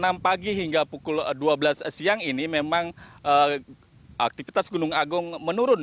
pukul enam pagi hingga pukul dua belas siang ini memang aktivitas gunung agung menurun